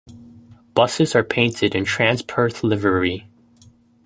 Buses are painted in Transperth livery.